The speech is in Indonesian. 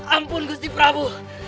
ampun gusti prabu